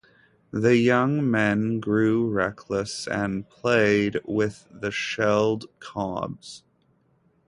The young men grew reckless and played with the shelled cobs.